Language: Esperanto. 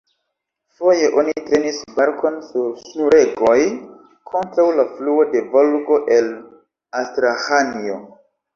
Foje oni trenis barkon sur ŝnuregoj kontraŭ la fluo de Volgo, el Astraĥanjo.